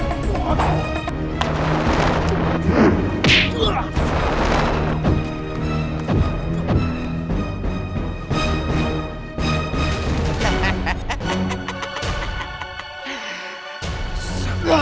aku bisa mencapai verschil